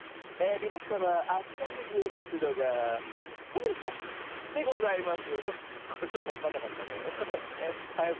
みなさまあちらにみえますのが「ファミレストラン」でございます。